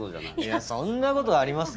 いやそんなことあります？